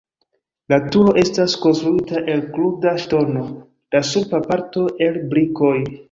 La turo estas konstruita el kruda ŝtono, la supra parto el brikoj.